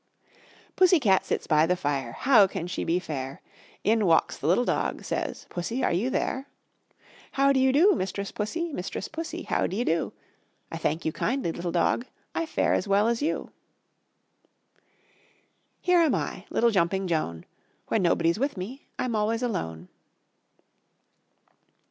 Pussy Cat sits by the fire; How can she be fair? In walks the little dog; Says: "Pussy, are you there? How do you do, Mistress Pussy? Mistress Pussy, how d'ye do?" "I thank you kindly, little dog, I fare as well as you!" Here am I, little jumping Joan, When nobody's with me I'm always alone.